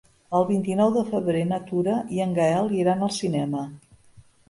El vint-i-nou de febrer na Tura i en Gaël iran al cinema.